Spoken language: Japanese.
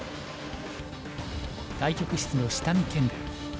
対局室の下見検分。